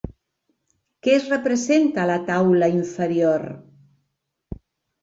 Què es representa a la taula inferior?